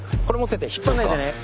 引っ張んないでね。